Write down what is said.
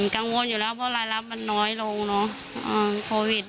กังวลอยู่แล้วเพราะรายรับมันน้อยลงเนอะโควิด